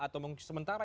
atau mungkin sementara